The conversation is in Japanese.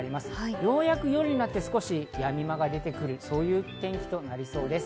ようやく夜になって少しやみ間が出てくる、そういう天気となりそうです。